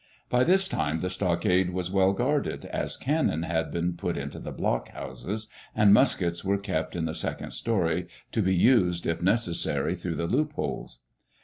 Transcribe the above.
By this time the stockade was well guarded, as cannon had been put into the blockhouses, and muskets were kept in the second story to be used, if necessary, through the loopholes.